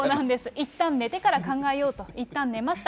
いったん寝てから考えようといったん寝ました。